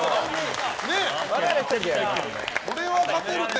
これは勝てるって！